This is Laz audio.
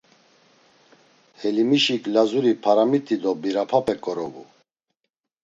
Helimişik Lazuri p̌aramiti do birapape ǩorobu.